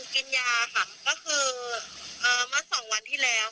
กินยาค่ะก็คือเมื่อ๒วันที่แล้ว